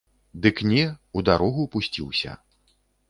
Дык не, у дарогу пусціўся.